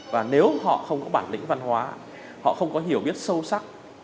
và nếu họ không có bản lĩnh văn hóa họ không có hiểu biết sâu sắc